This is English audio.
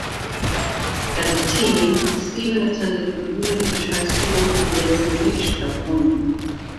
As a teen, Stephen attended Laguna Beach High School in Laguna Beach, California.